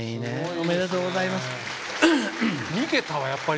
おめでとうございます。